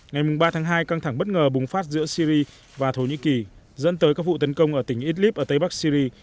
ngày ba tháng hai căng thẳng bất ngờ bùng phát giữa syri và thổ nhĩ kỳ dẫn tới các vụ tấn công ở tỉnh idlib ở tây bắc syri